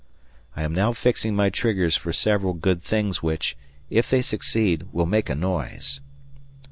I am now fixing my triggers for several good things which, if they succeed, will make a noise.